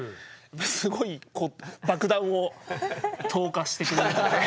すごい爆弾を投下してくれるので。